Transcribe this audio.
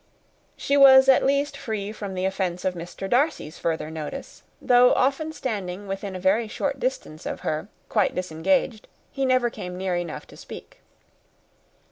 She was at least free from the offence of Mr. Darcy's further notice: though often standing within a very short distance of her, quite disengaged, he never came near enough to speak.